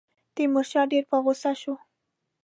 تیمورشاه ډېر په غوسه شو.